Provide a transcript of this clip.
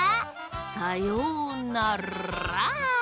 さようなら！